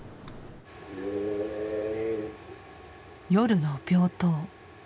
夜の病棟。